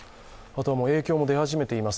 影響も出始めています。